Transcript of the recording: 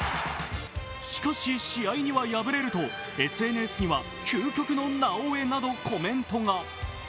しかし、試合には敗れると究極のなおエなどコメントが。